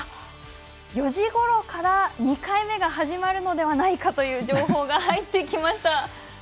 ４時ごろから２回目が始まるのではないかという情報が入ってきました。